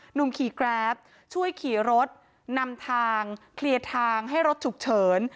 หนุ่มขี่แกรปช่วยขี่รถนำทางเคลียร์ทางให้รถฉุกเฉิน